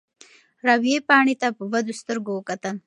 رابعې پاڼې ته په بدو سترګو وکتل.